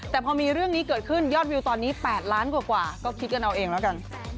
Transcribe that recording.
แต่พอมีเรื่องนี้เกิดขึ้นยอดวิวตอนนี้๘ล้านกว่าก็คิดกันเอาเองแล้วกัน